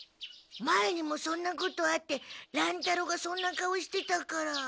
前にもそんなことあって乱太郎がそんな顔してたから。